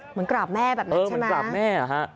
เหมือนกราบแม่แบบนี้เออเหมือนกราบแม่ฮะ